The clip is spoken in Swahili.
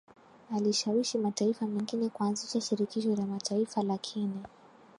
alishawishi mataifa mengine kuanzisha Shirikisho la Mataifa lakini